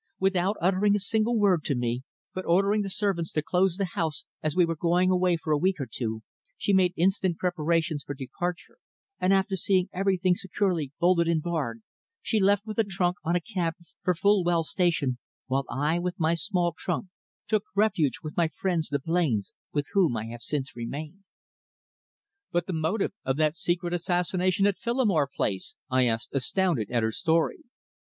Without uttering a single word to me, but ordering the servants to close the house as we were going away for a week or two, she made instant preparations for departure, and after seeing everything securely bolted and barred, she left with a trunk on a cab for Fulwell Station, while I, with my small trunk, took refuge with my friends the Blains, with whom I have since remained." "But the motive of that secret assassination at Phillimore Place?" I asked, astounded at her story.